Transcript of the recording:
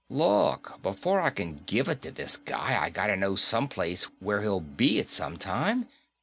"Look, before I can give it to this guy I gotta know some place where he'll be at some time.